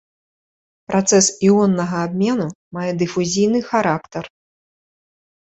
Працэс іоннага абмену мае дыфузійны характар.